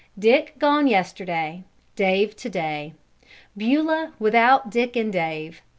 Dick gone yesterday, Dave to day; Beulah without Dick and Dave!